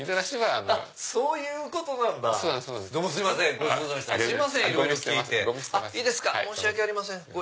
あっ申し訳ありません。